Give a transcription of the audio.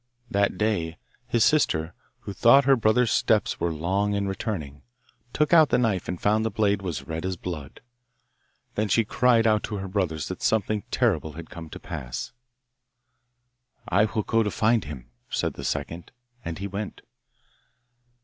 That day his sister, who thought her brother's steps were long in returning, took out the knife and found the blade was red as blood. Then she cried out to her brothers that something terrible had come to pass. 'I will go and find him,' said the second. And he went.